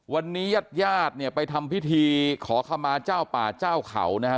วันนี้ญาติไปทำพิธีขอเข้ามาเจ้าป่าเจ้าเขานะครับ